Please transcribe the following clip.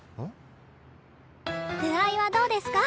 具合はどうですか？